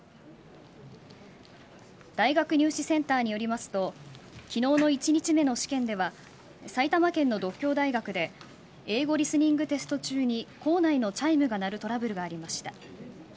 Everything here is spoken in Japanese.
大学入試センターによりますと昨日の１日目の試験では埼玉県の獨協大学で英語リスニングテスト中に校内のチャイムが鳴るトラブルがありました。